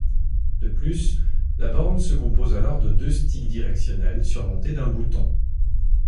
De plus, la borne se compose alors de deux sticks directionnels surmontés d'un bouton.